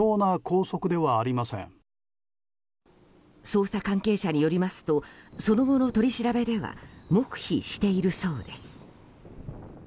捜査関係者によりますとその後の取り調べでは黙秘しているそうです。